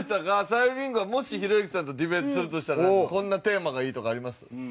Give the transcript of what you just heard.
さゆりんごはもしひろゆきさんとディベートするとしたらこんなテーマがいいとかあります？